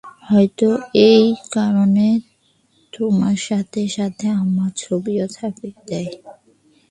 হয়তো এই কারণে তোমার সাথে সাথে আমার ছবিও ছাপিয়ে দেয়।